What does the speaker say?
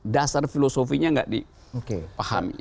dasar filosofinya nggak dipahami